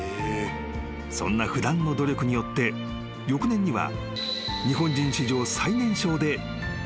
［そんな不断の努力によって翌年には］